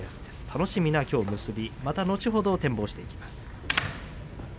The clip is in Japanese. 楽しみなきょうの結びまた後ほど展望していきます。